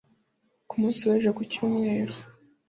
Ku munsi w’ejo ku cyumweru